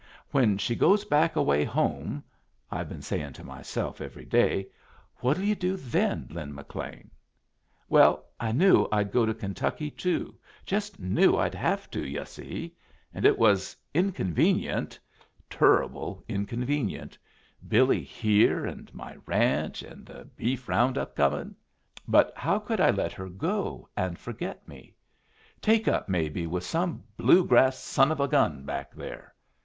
'When she goes back away home,' I'd been saying to myself every day, 'what'll you do then, Lin McLean?' Well, I knew I'd go to Kentucky too. Just knew I'd have to, yu' see, and it was inconvenient, turruble inconvenient Billy here and my ranch, and the beef round up comin' but how could I let her go and forget me? Take up, maybe, with some Blue grass son of a gun back there?